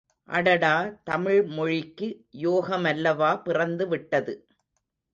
அடடா தமிழ்மொழிக்கு யோகமல்லவா பிறந்து விட்டது!